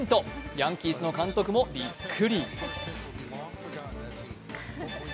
ヤンキースの監督もびっくり。